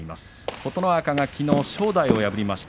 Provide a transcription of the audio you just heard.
琴ノ若、同期の正代を破りました。